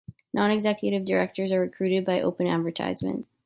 Non-executive directors are recruited by open advertisement.